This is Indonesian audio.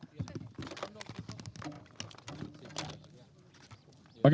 bikin di sini pak